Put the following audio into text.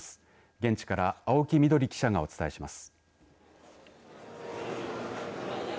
現地から青木緑記者がお伝えします。